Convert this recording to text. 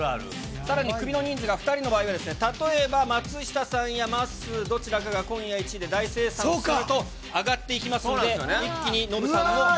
さらにクビの人数が２人の場合はですね、例えば、松下さんやまっすー、どちらかが今夜１位で大精算すると上がっていきますので、一気にノブさんも。